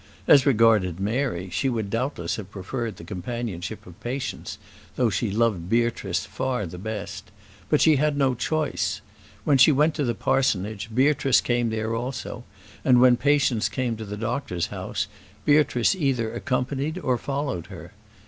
As regarded Mary, she would doubtless have preferred the companionship of Patience, though she loved Beatrice far the best; but she had no choice. When she went to the parsonage Beatrice came there also, and when Patience came to the doctor's house Beatrice either accompanied or followed her.